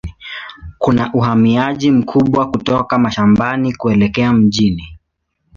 Kuna uhamiaji mkubwa kutoka mashambani kuelekea mjini.